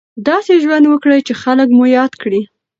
داسې ژوند وکړئ چې خلک مو یاد کړي.